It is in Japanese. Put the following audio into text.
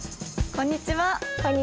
こんにちは。